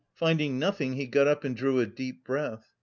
Finding nothing, he got up and drew a deep breath.